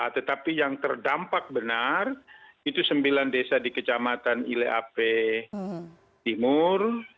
tetapi yang terdampak benar itu sembilan desa di kecamatan ileape timur